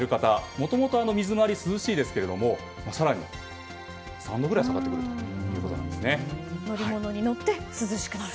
もともと水回り涼しいですけど更に３度ぐらい乗り物に乗って涼しくなると。